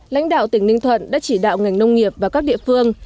lãnh đạo tỉnh ninh thuận đã chỉ đạo ngành nông nghiệp và các địa phương